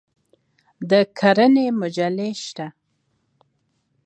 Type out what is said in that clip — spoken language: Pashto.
د کرنې مجلې شته؟